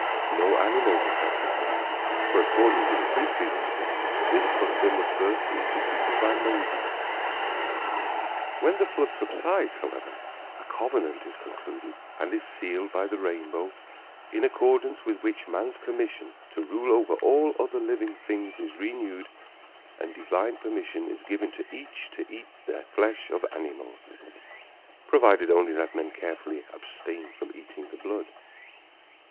No animals are sacrificed, for according to the priestly writer this custom was first instituted by Moses. When the flood subsides, however, a covenant is concluded and is sealed by the rainbow in accordance with which man's commission to rule over all other living things is renewed and divine permission is given to each to eat of the flesh of animals, provided only that men carefully abstain from eating the blood.